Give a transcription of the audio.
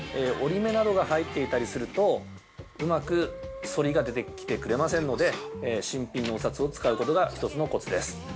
折り目などが入っていたりするとうまく反りが出てきてくれませんので、新品のお札を使うことが１つのコツです。